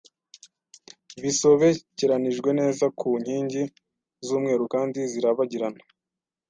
bisobekeranijwe neza ku nkigi z'umweru kandi zirabagirana,